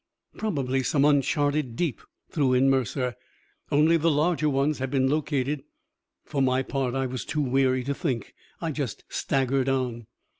"Probably some uncharted deep," threw in Mercer. "Only the larger ones have been located." For my part, I was too weary to think. I just staggered on.